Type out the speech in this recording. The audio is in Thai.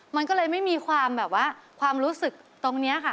มันก็เลยไม่มีความรู้สึกตรงนี้ค่ะ